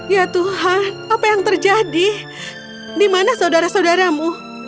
ya tuhan apa yang terjadi dimana saudara saudaramu